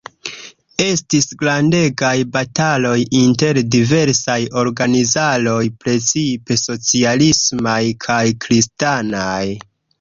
Estis grandegaj bataloj inter diversaj organizaroj, precipe socialismaj kaj kristanaj.